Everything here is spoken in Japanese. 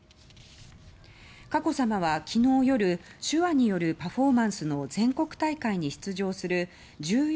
佳子さまは昨日夜手話によるパフォーマンスの全国大会に出場する１４